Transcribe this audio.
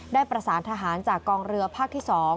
ได้ประสานทหารจากกองเรือภาคที่๒